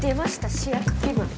主役気分